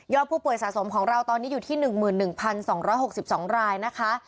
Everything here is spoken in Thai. ผู้ป่วยสะสมของเราตอนนี้อยู่ที่๑๑๒๖๒รายนะคะ